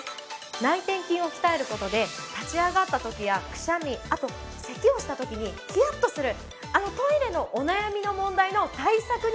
内転筋を鍛える事で立ち上がった時やくしゃみあとせきをした時にヒヤッとするあのトイレのお悩みの問題の対策にもなるんです。